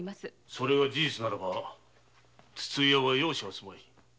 それが事実なら筒井屋は容赦すまい。